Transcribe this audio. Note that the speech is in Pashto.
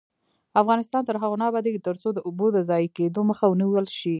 افغانستان تر هغو نه ابادیږي، ترڅو د اوبو د ضایع کیدو مخه ونیول نشي.